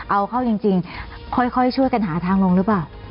เอาเข้าจริงค่อยช่วยกันหาทางลงหรือเปล่า